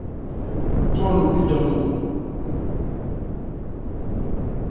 Khuthwán lo bíjan mɔn.